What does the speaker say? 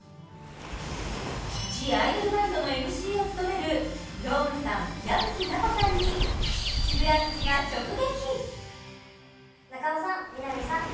「ＴＨＥＩＤＯＬＢＡＮＤ」のＭＣを務めるロウンさん矢吹奈子さんに「プチブランチ」が直撃！